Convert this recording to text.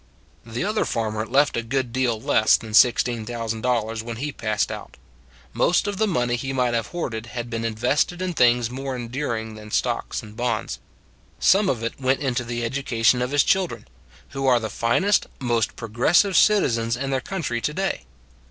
The other farmer left a good deal less than $16,000 when he passed out; most of the money he might have hoarded had been invested in things more enduring than stocks and bonds. Some of it went into the education of his children, who are the finest, most prog ressive citizens in their county to day.